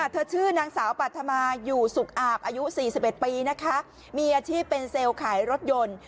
ชื่อนางสาวปัธมาอยู่สุขอาบอายุ๔๑ปีนะคะมีอาชีพเป็นเซลล์ขายรถยนต์